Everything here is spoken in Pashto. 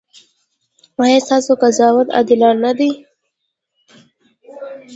ایا ستاسو قضاوت عادلانه دی؟